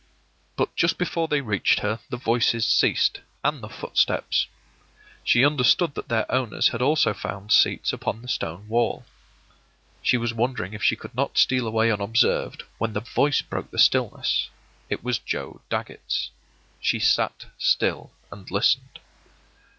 But just before they reached her the voices ceased, and the footsteps. She understood that their owners had also found seats upon the stone wall. She was wondering if she could not steal away unobserved, when the voice broke the stillness. It was Joe Dagget's. She sat still and listened.